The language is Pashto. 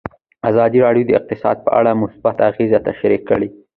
ازادي راډیو د اقتصاد په اړه مثبت اغېزې تشریح کړي.